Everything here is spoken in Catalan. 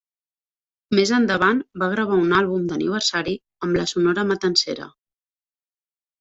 Més endavant va gravar un àlbum d'aniversari amb la Sonora Matancera.